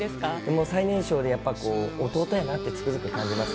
もう最年少でやっぱりこう、弟やなってつくづく感じます。